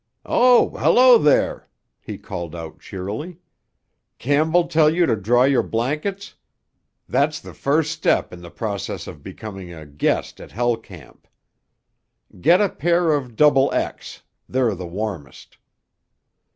"Oh, hello, there!" he called out cheerily. "Campbell tell you to draw your blankets? That's the first step in the process of becoming a—guest at Hell Camp. Get a pair of XX; they're the warmest."